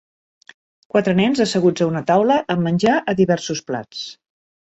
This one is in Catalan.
Quatre nens asseguts a una taula amb menjar a diversos plats